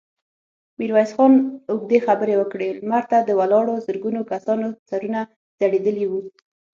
ميرويس خان اوږدې خبرې وکړې، لمر ته د ولاړو زرګونو کسانو سرونه ځړېدلي وو.